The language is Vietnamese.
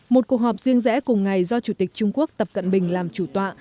một cuộc họp riêng rẽ cùng ngày do chủ tịch trung quốc tập cận bình làm chủ tọa